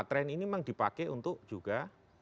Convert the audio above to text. trend ini memang dipakai untuk juga